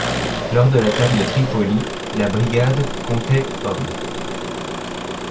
Lors de l'attaque de Tripoli la brigade comptait hommes.